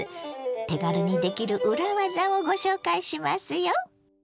手軽にできる裏技をご紹介しますよ。